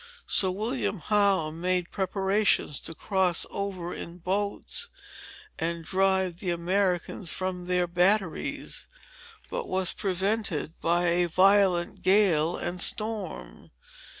Sir William Howe made preparations to cross over in boats, and drive the Americans from their batteries, but was prevented by a violent gale and storm.